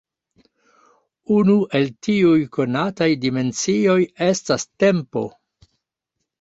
Unu el tiuj konataj dimensioj estas tempo.